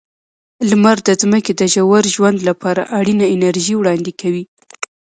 لمر د ځمکې د ژور ژوند لپاره اړینه انرژي وړاندې کوي.